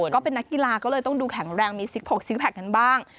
ก็เป็นนักกีฬาก็เลยต้องดูแข็งแรงมีซิกพกซิกแพคกันบ้าง